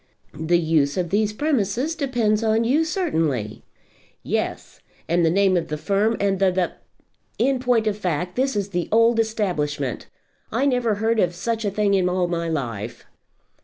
"The use of these premises depends on you certainly." "Yes; and the name of the firm, and the the the . In point of fact, this is the old establishment. I never heard of such a thing in all my life."